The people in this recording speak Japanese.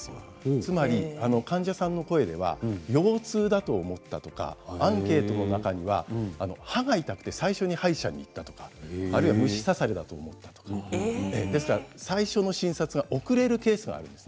つまり患者さんの声では腰痛だと思ったとかアンケートの中には歯が痛くて最初歯医者に行ったとかあるいは虫刺されだと思ったとか最初の診察が遅れるケースがあります。